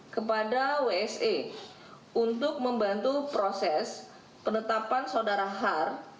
kepada wse untuk membantu proses penetapan saudara har